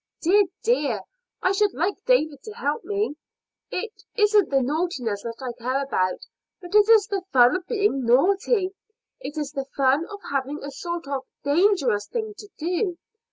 Dear, dear! I should like David to help me. It isn't the naughtiness that I care about, but it is the fun of being naughty; it is the fun of having a sort of dangerous thing to do.